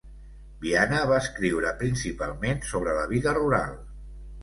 Viana va escriure principalment sobre la vida rural.